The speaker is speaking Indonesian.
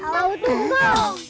tahu tuh kong